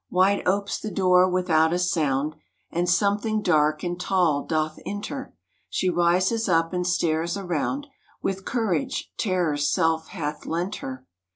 Wide opes the door without a sound, And something dark and tall doth enter ; She rises up and stares around, With courage Terror's self hath lent her.